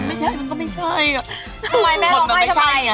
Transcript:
ทำไมแม่เอาให้ทำไม